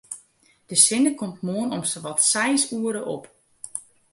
De sinne komt moarn om sawat seis oere op.